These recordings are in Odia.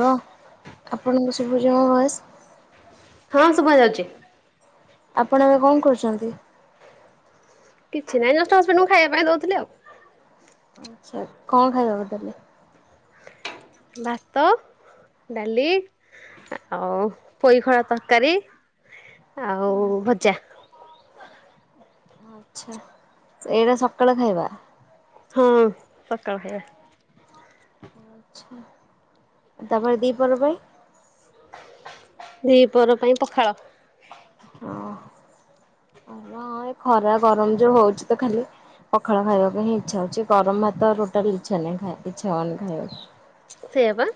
ଲ ଆପଣଙ୍କୁ ସୂବୁଚି ମୋ ଭଏସ୍। ହଁ ଶୁଭା ଯାଉଛି। ଆପଣ ଏବେ କଣ କରୁଚନ୍ତି? କିଛି ନାହିଁ ଜଷ୍ଟ ହଜବେଣ୍ଡଙ୍କୁ ଖାଇବା ପାଇଁ ଦଉଥିଲି ଆଉ। ଆଚ୍ଛା କଣ ଖାଇବାକୁ ଦେଲେ? ଭାତ ଡାଲି ଆଉ ପୋଇଖଡା ତରକାରୀ ଆଉ ଭଜା। ଆଛା ଏଇଟା ସକାଳ ଖାଇବା। ହଁ ସକାଳ ଖଇବା। ଆଚ୍ଛା ତାପରେ ଦିପର ପାଇଁ? ଦିପର ପାଇଁ ପଖାଳ। ହଁଁ ଏ ଖରା ଗରମ ଯଉ ହଉଚି ତ ଖାଲି। ପଖାଳ ଖଇବା ପାଇଁ ହିଁ ହଉଚି ଗରମ ଭାତ ଟୋଟାଲ ଇଛା ନାହିଁ ଇଛା ହଉନି ଖାଇବାକୁ। ସେଇଆ ପା।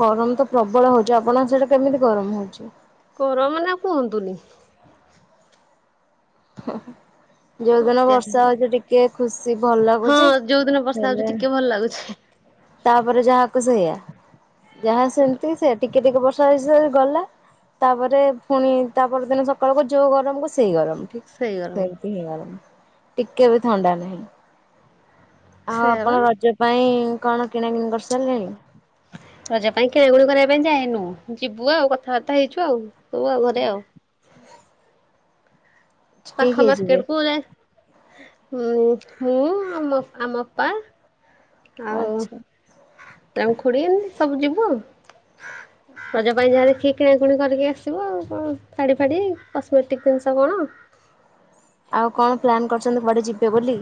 ଗରମ ତ ପ୍ରବଳ ହଉଚି ଆପଣଙ୍କ ସେଆଡେ କେମିତି ଗରମ ହଉଚି? ଗରମ ମାନେ ଆଉ କୁହନ୍ତୁନି। ହ। ଯୋଉଦିନ ଅତ୍ୟାଧିକ ବର୍ଷା ଗରମ ହଉଛି ଟିକେ ଖୁସି ଭଲ ହଁ ଲାଗୁଛି ଯୋଉ ଦିନ ବର୍ଷା ହଉଛି ହେଲେ। ଟିକେ ଭଲ ଲାଗୁଛି। ତାପରେ ଯାହାକୁ ସେଇଆ ଯାହା ସେମତି ସେଆ ଟିକେ ଟିକେ ବର୍ଷା ହେଇ ଗଲା। ତାପରେ ପୁଣି ତାପଦିନ ସକାଳ କୁ ଯୋଉ ଗରମ କୁ ସେଇ ଗରମ। ସେଇ ଗରମ। ସେମିତି ହେଇଗଲାଣିି ଟିକେ ବି ଥଣ୍ଡା ନାହିଁ। ଆଉ ସେଇଆ ବା। ଆପଣ ରଜ ପାଇଁ କଣ କିଣା କିିଣି କରି ସାରିଲେଣି। ରଜ ପାଇଁ କିଣାକିଣି କରିବା ପାଇଁ ଯାଇନୁ ଯିବୁ ଆଉ କଥାବାର୍ତ୍ତା ହେଇଛୁ ଆଉ ସବୁ ଆଉ ଘରେ ଆଉ। କିଏ ପାଖ କିଏ ଯିବେ? ମାର୍କେଟ କୁ ଯାଏ ମୁଁ ଆଉ ଆମ ଅପା। ଆଉ ଆଚ୍ଛା ତାଙ୍କ ଖୁଡି ସବୁ ଯିବୁ। [inaudible] ରଜ ପାଇଁ ଯାହା କିଏ କିଣାକିଣି କରିକି ଆସିବୁ ଶାଢ଼ୀ ଫାଡି କସ୍ମେଟିକ୍ ଜିନିଷ କଣ। ଆଉ କଣ ପ୍ଲାନ୍ କରୁଛନ୍ତି। କୁଆଡେ ଯିବେ ବୋଲି।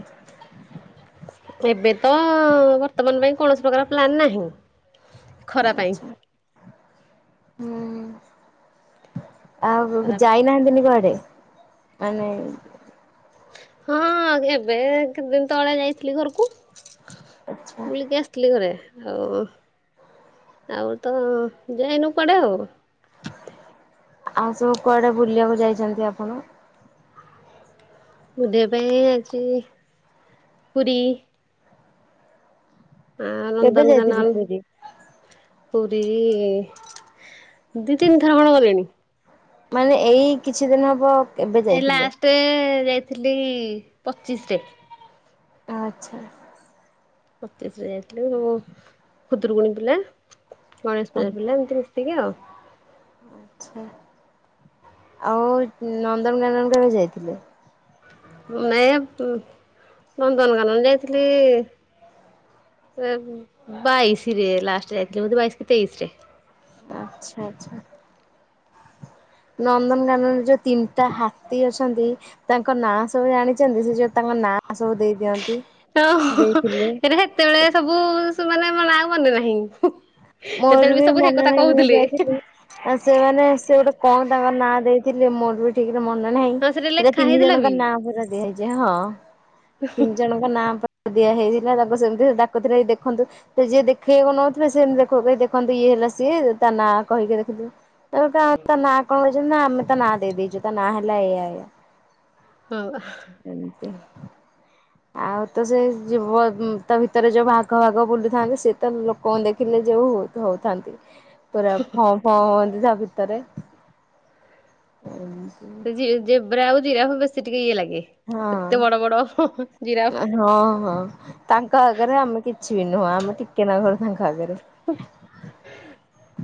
ଏବେ ତ ବର୍ତ୍ତମାନ ପାଇଁ କୌଣସି ପ୍ରକାର ପ୍ଲାନ ନାହିଁ। ଖରା ପାଇଁ। ଆଚ୍ଛା ହୁଁ। ଆଉ ଖରା ପାଇଁ ଯାଇନାହାନ୍ତିନି କୁଆଡେ ମାନେ। ହଁ ଏବେ ତିନିଦିନି ତଳେ ଯାଇଥିଲି ଘରକୁ ଆଚ୍ଛା ବୁଲିକି ଆସି ଥିଲି ଘରେ ଆଉ ଆଉ ତ ଯାଇନୁ କୁଆଡେ ଆଉ। ଆଉ ସବୁ କୁଆଡେ ବୁଲିବାକୁ ଯାଇଛନ୍ତି ଆପଣ। ବୁଲିବା ପାଇଁ ଆଜି ପୁରି ଆ କେବେ ଯାଇଥିଲେ ନନ୍ଦନକାନନ ପୁରୀ? ପୁରୀ ଦି ତିନି ଥର ଖଣ୍ଡେ ଗଲେଣି। ମାନେ ଏଇ କିଛି ଦିନ ହବ। କେବେ ଏ ଯାଇଥିଲେ? ଲାଷ୍ଟ ଯାଇଥିଲି ପଚିଶରେ। ଆଚ୍ଛା। ଏବେ ଯାଇଥିଲୁ ଖୁଦୁରୁକୁୁଣୀ ପିଲା ଗଣେଶ ପୂଜା ଆଚ୍ଛା ପିଲା ଏମିତି ଏତିକି ଆଉ। ଆଛା ଆଉ ନନ୍ଦନକାନନ କେବେ ଯାଇଥିଲେ ନାହଁ ନନ୍ଦନକାନନ ଯାଇଥିଲି ବାଇଶି ରେ ଲାଷ୍ଟ ଯାଇଥିଲି ବୋଧେ ବାଇଶି କି ତେଇଶି ରେ। ଆଚ୍ଛା ଆଚ୍ଛା। ନନ୍ଦନକାନନରେ ଯୋଉ ତିନିଟା ହାତୀ ଅଛନ୍ତି ତାଙ୍କ ନାଁ ସବୁ ଜାଣିଛନ୍ତି ସେ ଯୋଉ ତାଙ୍କ ନାଁ ସବୁ ଦେଇ ଦିଅନ୍ତି। ଓହୋ ଦେଇଥିଲେ ଏରେ ହେତେବେଳେ ସବୁ ମାନେ ମୋର ନାଁ ଆଉ ମନେ ନାହିଁ। ମୋର ସେତେବେଳେ ବି ସବୁ ସେଇ ମନେ କଥା ନାଇ ମୁଁ ଯୋଉ କହୁଥିଲେ ଯାଇଥିଲି। ଆଉ ସେମାନେ ସେ ଗୋଟେ କଣ ତାଙ୍କ ନାଁ ଦେଇଥିଲେ ମୋହିତ୍ ଠିକରେ ମନେ ନାହିଁ ହଁ ସେଟା ଯେ ଲେଖା ତିନି ହେଇଥିଲା ଜଣଙ୍କ ବି। ନାଁ ପୁରା ଦିଆଯାଇଛି ହଁ ତିନି ଜଣ ଙ୍କ ନାଁ ଦିଆ ହେଇଥିଲା ତାଙ୍କୁ ସେମିତି ସେ ଡାକୁଥିଲେ ଦେଖନ୍ତୁ। ସେ ଯିଏ ଦେଖେଇବାକୁ ନଉଥିଲେ ସେମିତି ଦେଖନ୍ତୁ ଇଏ ହେଲା ସିଏ ତା ନାଁ କହିକି ଦେଖନ୍ତୁ ତା ତା ନାଁ କଣ କରିଛୁ ନା ଆମେ ତ ନାଁ ଦେଇଦେଇଛୁ ତା ନା ହେଲା ଏଇଆ ଏଇଆ। ହୁଁ। ଏମିତି। ଆଉ ତ ସେଇ ଯିବ ତା ଭିତରେ ଯୋଉ ବାଘ ଫାଗ ବୁଲୁଥାନ୍ତି। ସେ ତ ଲୋକଙ୍କୁ ଦେଖିଲେ ଯୋଉ ହଉଥାନ୍ତି। ପୁରା ଫଁ ଫଁ ହୁଅନ୍ତି ତା ଭିତରେ ସେ ଜେବ୍ରା ଆଉ ଜିରାଫ ବେଶୀ ଟିକେ ଇଏ ଲାଗେ। ଏତେ ବଡ ହଁ ବଡ ଜିରାଫ। ହଁ ହଁ ତାଙ୍କ ଆଗରେ ଆମେ କିଛି ବି ନୁହଁ। ଆମେ ଟିକେ ନାକୁରୁ ତାଙ୍କ ଆଗେରେ। [inaudible]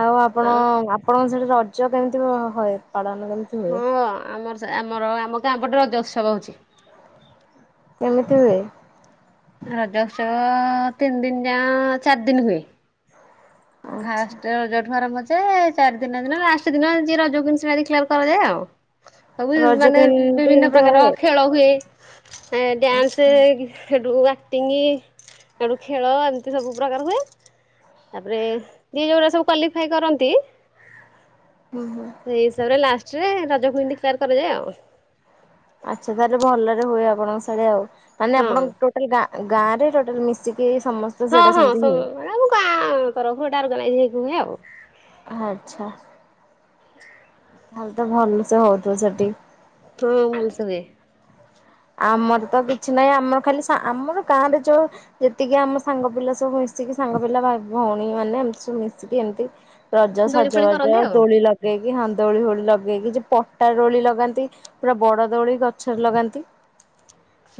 ଆଉ ଆପଣ ଆପଣଙ୍କ ସେଠି ରଜ କେମିତି ହୁଏ ପାଳନ କେମିତି? ହୁଏ? ହଁ ଆମର ସେ ଆମର ଆମ ଗାଁ ପଟେ ରଜ ଉତ୍ସବ ହଉଛି। କେମିତି ହୁଏ? ରଜ ଉତ୍ସବ ତିନି ଦିନି ଯା ଚାରି ଦିନି ହୁଏ। ଆଚ୍ଛା ଫାଷ୍ଟ ରଜଠୁ ଆରମ୍ଭ ଯେ ଚାରି ଦିନ ଦିନ ଲାଷ୍ଟ ଦିନ ଯିଏ ରଜ କ୍ୱିନ ସେଟା ଦେକ୍ଲାର କରାଯାଏ ଆଉ। ସବୁ ରଜ ମାନେ କେମିତି ବିଭିନ୍ନ ଏମିତି ପ୍ରକାର ହୁଏ? ଖେଳ ହୁଏ, ଡ୍ୟାନ୍ସ ଆଚ୍ଛା ହୁଏ, ହେଟୁ ଆ ଟିଙ୍ଗି ହେଠୁ ଖେଳ ଏମିତି ସବୁ ପ୍ରକାର ହୁଏ। ତାପରେ ଯିଏ ଯୋଉଟା ସବୁ କ୍ୱାଲିଫାଇ କରନ୍ତି ହୁଁ ହୁଁ। ସେଇ ହିସାବରେ ଲାଷ୍ଟରେ ରଜ କୁଇନି ଡିକ୍ଲାର କରାଯାଏ ଆଉ। ଆଚ୍ଛା ତାହାଲେ ଭଲରେ ହୁଏ ଆପଣଙ୍କ ସିଆଡେ ଆଉ ମାନେ ହଁ। ଆପଣଙ୍କ ଟୋ ଗାଁ ଗାଁରେ ଟୋଟାଲ ମିଶିକି ସମସ୍ତ ହଁ ହଁ ହଁ ମାନେ ଆମ ଗାଁ ତରଫରୁ ଏଟା ଅର୍ଗାନାଇଜ ହେଇକି ହୁଏ ଆଉ। ଆଚ୍ଛା। ତାହେଲେ ତ ଭଲ ସେ ହଉଥିବ ସେଠି। ହଁ ଭଲସେ ହୁଏ। ଆମର ତ କିଛି ନାହିଁ ଆମର ଖାଲି ଆମର ଗାଁରେ ଯୋଉ ଯେତିକି ଆମ ସାଙ୍ଗ ପିଲା ସବୁ ମିଶିକି ସାଙ୍ଗ ପିଲା ଭାଇ ଭଉଣୀ ମାନେ ଏମିତି ସବୁ ମିଶିକି ଏମିତି ରଜ ଦୋଳି ଫୋଳି ସଜବାଜ କରନ୍ତି ଆଉ। ଦୋଳି ଲଗା ଲଗେଇକି ହଁ ଦୋଳି ଫୋଳି ଲଗେଇକି। ଏ ଯୋଉ ପଟା ଦୋଳି ଲଗାନ୍ତି ପୁରା ବଡ ଦୋଳି ଗଛରେ ଲଗାନ୍ତି।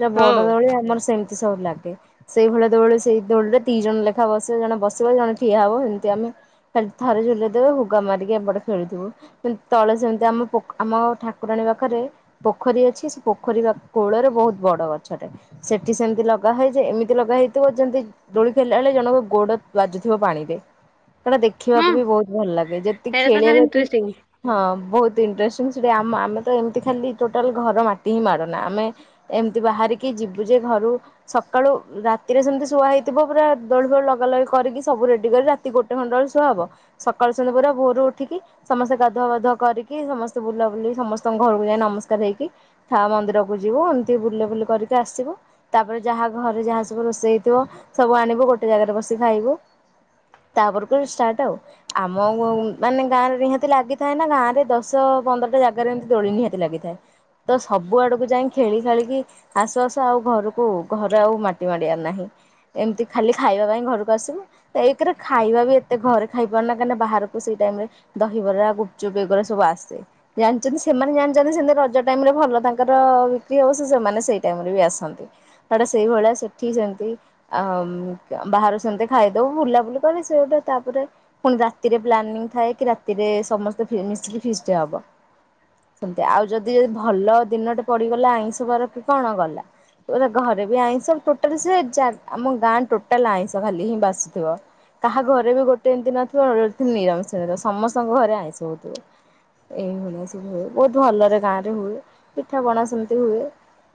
ପୁରା ବଡ ହଁ। ଦୋଳି ଆମର ସେମିତି ସବୁ ଲାଗେ। ସେଇ ଭଳିଆ ଦୋଳି ସେଇ ଦୋଳିରେ ଦି ଜଣ ଲେଖା ବସିବ। ଜଣେ ବସିବ ଜଣେ ଠିଆ ହବ ସେମିତି ଆମେ ଖାଲି ଥରେ ଝୁଲେଇ ଦେବେ ହୁଗା ମାରିକି ଏପଟ ଖେଳୁଥିବୁ। ତଳେ ସେମିତି ଆମ ଆମ ଠାକୁରାଣୀ ପାଖରେ ପୋଖରୀ ଅଛି। ସେ ପୋଖରୀ କୋଳରେ ବୋହୁତ ବଡ ଗଛଟେ ସେଠି ସେମିତି ଲଗା ହେଇଚି। ଏମିତି ଲଗା ହେଇଥିବ ଯେମିତି ଦୋଳି ଖେଳିଲା ବେଳେ ଜଣଙ୍କ ଗୋଡ ବାଜୁଥିବ ପାଣିରେ। ଖେଳ ହଁ ଦେଖିବାକୁ ବି ବହୁତ ଭଲ ଲାଗେ ଯେତିକି ସେଇଟା ତ ଭାରି ଖେଲିବାକୁ ଇଣ୍ଟରେଷ୍ଟିଂ। ହେତିକି ହଁ ବୋହୁତ ଇଣ୍ଟରେଷ୍ଟିଂ ସେଠି ଆମ ଆମେ ତ ଏମିତି ଖାଲି ଟୋଟାଲ ଘର ମାଟି ହିଁ ମାଡୁନା ଆମେ ଏମିତି ବାହାରିକି ଯିବୁ ଯେ ଘରୁ ସକାଳୁ ରାତିରେ ସେମିତି ଶୁଆ ହେଇଥିବ ପୁରା ଦୋଳି ଫୋଳି ଲଗା ଲଗି କରିକି ସବୁ ରେଡି କରି ରା ଗୋଟେ ଘଣ୍ଟା ବେଳ ସୁୁଆ ହବ। ସକାଳ ହେଇସାରିଲା ପରେ ଭୋରୁ ଉଠିକି ସମସ୍ତେ ଗାଧୁଆପାଧୁଆ କରିକି ସମସ୍ତେ ବୁଲା ବୁଲି ସମସ୍ତଙ୍କ ଘରକୁ ଯାଇ ନମସ୍କାର ହେଇକି ଥା ମନ୍ଦିରକୁ କୁ ଯିବୁ ଏମିତି ବୁଲା ବୁଲି କରିକି ଆସିବୁ। ତାପରେ ଯାହା ଘରେ ଯାହା ସବୁ ରୋଷେଇ ହେଇଥିବ, ସବୁ ଆଣିବୁ ଗୋଟେ ଜାଗାରେ ବସି ଖାଇବୁ। ତାପରକୁ ଷ୍ଟାଟ ଆଉ। ଆମ ମାନେ ଗାଁରେ ନିହାତି ଲାଗିଥାଏ ନା ଗାଁରେ ଦଶ ପନ୍ଦରଟା ଜାଗାରେ ଏମିତି ଦୋଳି ନିହାତି ଲାଗିଥାଏ। ତ ସବୁ ଆଡକୁ ଯାଇ ଖେଳି ଖେଳିକି ଆସୁ ଆସୁ ଆଉ ଘରକୁ ଘରେ ଆଉ ମାଟି ମାଡିଆର ନାହିଁ। ଏମିତି ଖାଲି ଖାଇବା ପାଇଁ ଘରକୁ ଆସିବୁ। ଏଇଥିରେ ଖାଇବା ବି ଏତେ ଘରେ ଖାଇପାରୁନା କାହିଁକି ନା ବାହାରକୁ ସେଇ ଟାଇମରେ ଦହିବରା, ଗୁପଚୁପ ଏଗୁରା ସବୁ ଆସେ। ଜାଣିଛନ୍ତି ସେମାନେ ଜାଣିଛନ୍ତି ସେମିତି ରଜ ଟାଇମରେ ଭଲ ତାଙ୍କର ତ ବିକ୍ରି ହବ ସେ ସେମାନେ ସେଇ ଟାଇମରେ ବି ଆସନ୍ତି। ତାପରେ ସେଇଭଳିଆ ସେଠି ସେମିତି ଆମ ବାହାରୁ ସେମିତି ଖାଇଦବୁ ବୁଲାବୁଲି କରି ସେ ଗୋଟେ ତାପରେ ପୁଣି ରାତିରେ ପ୍ଲାନିଂ ଥାଏ କି ରାତିରେ ସମସ୍ତେ [unintelligible] ଫିଷ୍ଟି ହବ। ସେମିତି ଆଉ ଯଦି ଭଲ ଦିନଟେ ପଡ଼ିଗଲା ଆଇଁଷ ବାର କି କଣ ଗଲା? ଘରେ ବି ଆଇଁଷ ଟୋଟାଲି ସେ ଜା ଆମ ଗାଁ ଟୋଟାଲ ଆଇଁଷ ଖାଲି ହିଁ ବାସୁଥିବ। କାହା ଘରେ ବି ଗୋଟେ ଏମିତି ନଥିବ ନିରାମିଷର ସମସ୍ତଙ୍କ ଘରେ ଆଇଁଷ ହଉଥିବ। ଏଇଭଳିଆ ସବୁ ହୁଏ ବୋହୁତ ଭଲରେ ଗାଁ ରେ ହୁଏ। ଠା ବଣା ସେମିତି ହୁଏ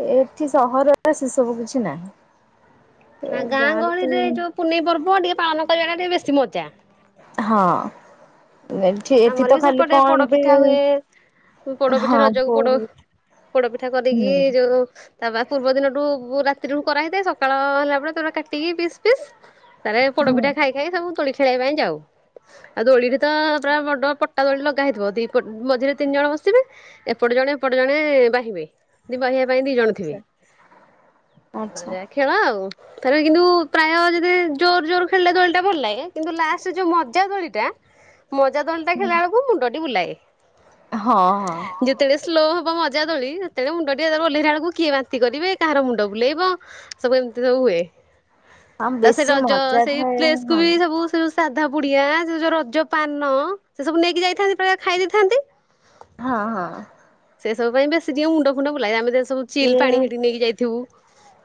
ଏ ଏଠି ସହରରେ ସେ ସବୁ କିଛି ନାହିଁ। ନା ଗାଁ ଗାଁରେ ଗହଳିରେ ତ ଯୋଉ ପୁନେଇ ପର୍ବ ଟିକେ ପାଳନ କରିବା ଟା ଟିକେ ବେଶୀ ମଜା। ହଁ ତୁ ଏଠି ଏଠି ଆମର ତ ବି ଖାଲି କଣ ଏମିତି ପୋଡ଼ପିଠା ରଜକୁ ପୋଡ଼ ପୋଡ଼ ପିଠା କରିକି ହୁଁ ଯୋଉ ତା ବା ପୂର୍ବ ଦିନଠୁ ରାତିଠୁ କରାହେଇଥାଏ ସକାଳ ହେଲା ପରେ ତାପରେ କାଟିକି ପିସ୍ ପିସ୍ ତାରେ ହୁଁ ପୋଡ଼ାପିଠା ଖାଇ ଖାଇ ସବୁ ଦୋଳି ଖେଳିବା ପାଇଁ ଯାଉ ଆଉ ଦୋଳିରେ ତ ପୁରା ବଡ ପଟା ଦୋଳି ଲଗା ହେଇଥିବ ଦି ପଟ ମଝିରେ ତିନି ଜଣ ବସିବେ। ଏପଟେ ଜଣେ ଏପଟେ ଜଣେ ବାହିବେ। ଦି ବାହିବା ପାଇଁ ଦି ଜଣ ଥିବେ ଆଚ୍ଛା ଆ ଆଚ୍ଛା ଏରା ଖେଳ ଆଉ। ତାରେ କିନ୍ତୁ ପ୍ରାୟ ଯଦି ଜୋର ଜୋର ଖେଳିଲେ ଦୋଳିଟା ଭଲ ଲାଗେ କିନ୍ତୁ ଲାଷ୍ଟ ଯୋଉ ମଜା ଦୋଳିଟା ମଜା ଦୋଳିଟା ହୁଁ ଖେଳିଲା ବେଳକୁ ମୁଣ୍ଡଟି ବୁଲାଏ। ହଁ ହଁ। ଯେତେବେଳେ ସ୍ଲୋ ହବ ମଜା ଦୋଳି ସେତେବେଳେ ମୁଣ୍ଡ ଟିକେ ଧର ଓହ୍ଲେଇଲା ବେଳକୁ କିଏ ବାନ୍ତି କରିବେ କାହାର ମୁଣ୍ଡ ବୁଲେଇବ। ସବୁ ଏମିତି ସବୁ ହୁଏ ହଁ ତା ସେ ବେଶୀ ରଜ ମଜା ସେଇ ଥାଏ ପ୍ଲେସ କୁ ହଁ ବି ସବୁ ଶୁ ସାଧା ପୁଡ଼ିଆ ସେ ଯୋଉ ରଜ ପାନ ସେ ସବୁ ନେଇକି ଯାଇଥାନ୍ତି [unintelligible] ଖାଇ ଦେଇଥାନ୍ତି। ହଁ ହଁ। ସେ ସବୁ ପାଇଁ ବେଶୀ ଟିକିଏ ମୁଣ୍ଡ ଫୁଣ୍ଡ ବୁଲାଏ ଆମେ ସବୁ ଚିଲ ସିଏ ପାଣି ସେଠି ନେଇକି ଯାଇଥିବୁ।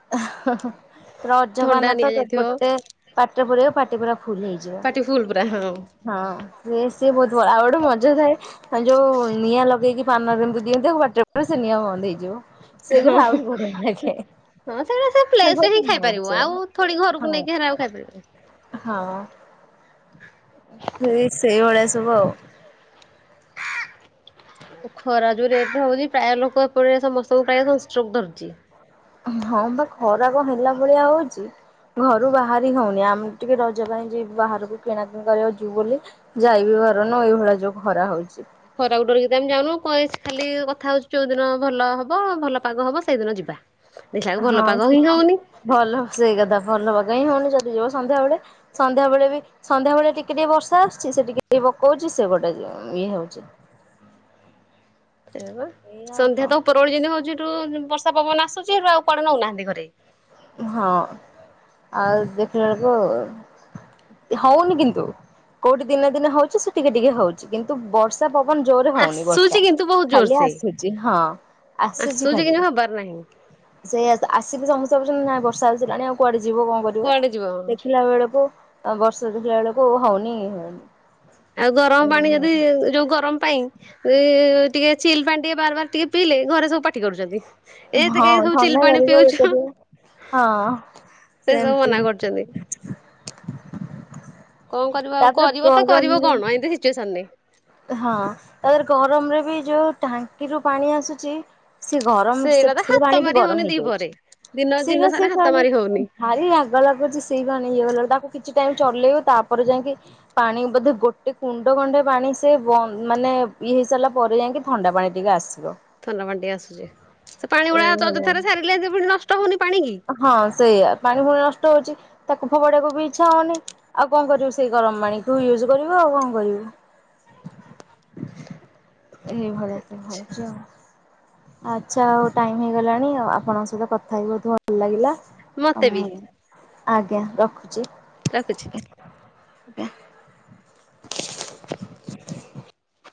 [unintelligible] ଥଣ୍ଡା ରଜପାନ ତ ନିଆଯାଇଥିବ ସେପଟେ ପାଟିରେ ପୁରେଇବୁ ପାଟି ପୁରା ଫୁଲ ହେଇଯିବ। ପାଟି ଫୁଲ୍ ପୁରା ହଁ। ହଁ ସେ ସିଏ ବୋହୁତ ଭଲ ଆଉ ଗୋଟେ ମଜା ଥାଏ ଯୋଉ ନିଆଁ ଲଗେଇକି ପାନରେ ଏମିତି ଦିଅନ୍ତି ଆଉ ପାଟିରେ ପୁରେଇବ ସେ ନିଆଁ ବନ୍ଦ ହେଇଯିବ। [unintelligible] ହଁ ସେଇଗୁରା ସେ ପ୍ଲେସ ରେ ବହୁତ ହିଁ ଖାଇପାରିବୁ ମଜା ଆଉ ଥୋଡ଼ି ଘରକୁ ହଁ ନେଇକି ହେରା ଆଉ ଖାଇପାରିବୁନି। ହଁ ସେଇ ସେଇଭଳିଆ ସବୁ ଆଉ। ଖରା ଯୋଉ ରେଟ୍ ରେ ହଉଛିି ପ୍ରାୟ ଲୋକ ଏପଟେ ସମସ୍ତଙ୍କୁ ପ୍ରାୟ ସଂଷ୍ଟ୍ରୋଗ ଧରୁଛି। ହଁ ବା ଖରା କଣ ହେଲା ଭଳିଆ ହଉଛି। ଘରୁ ବାହାରି ହଉନି ଆମେ ଟିକେ ରଜ ପାଇଁ ଯିବ ବାହାରକୁ କିଣାକିଣି କରିବାକୁ ଯିବୁ ବୋଲି ଯାଇବି ପାରୁନୁ ଏଇଭଳିଆ ଯୋଉ ଖରା ହଉଛି। ଖରାକୁ ଡରିକି ତ ଆମେ ଯାଉନୁ [unintelligible] ଖାଲି କଥା [unintelligible] ଯୋଉଦିନ ଭଲ ହବ ଭଲ ପାଗ ହବ ସେଇଦିନ ଯିବା। ଦେଖିଲାକୁ ଭଲ ହଁ ପାଗ ହିଁ [unintelligible] ହଉନି ଭଲ ସେଇ କଥା ଭଲ ପାଗ ହିଁ ହଉନି ଯଦି ଯିବ ସନ୍ଧ୍ୟା ବେଳେ। ସନ୍ଧ୍ୟା ବେଳେ ବି ସନ୍ଧ୍ୟା ବେଳେ ଟିକେ ଟିକେ ବର୍ଷା ଆସୁଛି ସେ ଟିକେ ଟିକେ ପକଉଛି ସେ ଗୋଟେ ଇଏ ହଉଛି। ଏଇଆ ଆଉ ସନ୍ଧ୍ୟା କଣ ତ ଉପରୋଳି ଯେମିତି ହଉଛି ଏଠୁ ବର୍ଷା ପବନ ଆସୁଛି ଏଠୁ ଆଉ କୁଆଡ଼େ ନଉନାହାନ୍ତି ଘରେ। ହଁ ଆଉ ଦେଖିଲା ବେଳକୁ ହଉନି କିନ୍ତୁ କୋଉଠି ଦିନେ ଦିନେ ହଉଛି ସେ ଟିକେ ଟିକେ ହଉଛି କିନ୍ ତୁ ବର୍ଷା ପବନ ଜୋରେ ହଉନି ଆସୁଛି ବର୍ଷା କିନ୍ତୁ ବହୁତ ଖାଲି ଜୋରସେ ଆସୁଛି ହଁ। ଆସୁଛି କିନ୍ତୁ ହବାର ନାହିଁ। ସେଇଆ ସେ ଆସିକି ସମସ୍ତେ କହୁଛନ୍ତି ନାଇଁ ବର୍ଷା ଆସିଲାଣି ଆଉ କୁଆଡ଼େ ଯିବୁ କଣ କରି [unintelligible] କୁଆଡେ ଯିବ। ଦେଖିଲା ବେଳକୁ ଅ ବର୍ଷା ଦେଖିଲା ବେଳକୁ ହଉନି [unintelligible] ଆଉ ଗରମ ପାଣି ଯଦି ଯୋଉ ଗରମ ପାଇଁ କି ଟିକେ ଚିଲ ପାଣି ଟିକେ ବାର ବାର ଟିକେ ପିଇଲେ ଘରେ ସବୁ ପାଟି କରୁଛନ୍ତି। ଏତେ ହଁ କାଇ ସବୁ ଥଣ୍ଡା ଚିଲ ପାଣି ଧରିବ ଇଏ ପିଉଛୁ। କରିବ। ହଁ ସେ ସବୁ ସେମିତି ମନା କରୁଛନ୍ତି। କଣ କରିବ ଆଉ ତାପରେ କରିବ ତ କରିବ ଗରମରେ କଣ ଏମତି ସିଚୁଏସନରେ। ହଁ ତାପରେ ଗରମରେ ବି ଯୋଉଁ ଟାଙ୍କିରୁ ପାଣି ଆସୁଛି। ସେ ଗରମ ସେ ସେଇଟା ତ ସେଇ ହାତ ପାଣି ବି ମାରି ହଉନି ଗରମ ହେଇଯାଉଛି ଦିପହରେ ଦିନ ସେ ଦିନ ବା ସାରା ସେ ହାତ ପାଣି ମାରି ହଉନି। ଭାରି ରାଗ ଲାଗୁଛି ସେଇ ପାଣି ଇଏ କଲାବେଳକୁ ତାକୁ କିଛି ଟାଇମ ଚଲେଇବ ତାପରେ ଯାଇକି ପାଣି ବୋଧେ ଗୋଟେ କୁଣ୍ଡେ କଣ୍ଡେ ପାଣି ସେ ବନ୍ଦ ମାନେ ଇଏ ହେଇସାରିଲା ପରେ ଯାଇକି ଥଣ୍ଡା ପାଣି ଟିକେ ଆସିବ। ଥଣ୍ଡା ପାଣି ଟିକେ ଆସୁଛି ସେ ପାଣି ଭଳିଆ ଏଇଭଳିଆ। ଅଯଥାରେ ସାରିଲେ ପୁଣି ନଷ୍ଟ ହଉନି ପାଣି କି ହଁ ସେଇଆ ପାଣିଗୁଡ଼ା ନଷ୍ଟ ହଉଛି ତାକୁ ଫୋପାଡିବାକୁ ବି ଇଚ୍ଛା ହଉନି। ଆଉ କଣ କରିବୁ ସେଇ ଗରମ ପାଣିକୁ ୟୁଜ୍ କରିବୁ ଆଉ କଣ କରିବୁ? ଏଇ ଭଳିଆ ସବୁ ହଉଛି ଆଉ। ଆଚ୍ଛା, ଆଉ ଟାଇମ ହେଇଗଲାଣି ଆଉ ଆପଣଙ୍କ ସହିତ କଥା ହେଇ ବହୁତ ଭଲ ଲାଗିଲା। ମତେ ବି ହଁ, ଆଜ୍ଞା ରଖୁଛି। ରଖୁଛି।